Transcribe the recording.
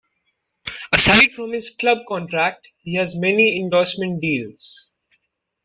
Aside from his club contract, he has many endorsement deals.